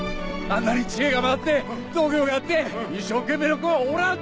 あんなに知恵が回って度胸があって一生懸命な子はおらん！